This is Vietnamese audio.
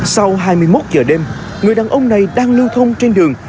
sau hai mươi một giờ đêm người đàn ông này đang lưu thông trên đường